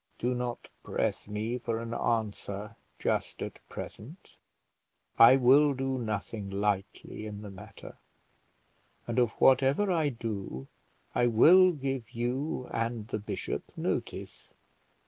"Do not press me for an answer just at present; I will do nothing lightly in the matter, and of whatever I do I will give you and the bishop notice."